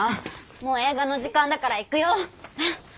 もう映画の時間だから行くよ！